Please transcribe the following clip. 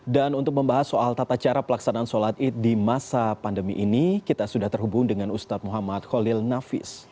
dan untuk membahas soal tata cara pelaksanaan sholat id di masa pandemi ini kita sudah terhubung dengan ustadz muhammad khalil nafis